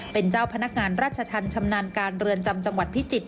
เป็นเจ้าพนักงานราชธรรมชำนาญการเรือนจำจังหวัดพิจิตร